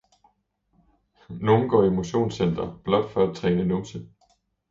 Nogen går i motionscenter blot for at træne numse.